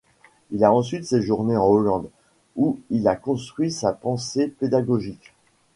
Il a ensuite séjourné en Hollande, où il a construit sa pensée pédagogique.